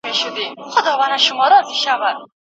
ایا لوی صادروونکي وچه مېوه صادروي؟